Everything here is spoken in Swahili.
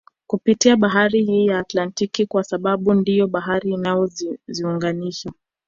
Kupitia bahari hii ya Atlantiki kwa sababu ndiyo bahari inayoziunganisha